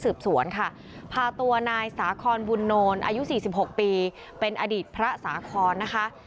สืบสวนค่ะพาตัวนายสาคอนบุญโนอายุ๔๖ปีเป็นอดีตพระสาคอนนะคะ